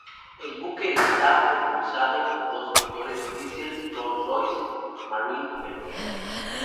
El buque está propulsado por dos motores diesel Rolls Royce Marine Bergen.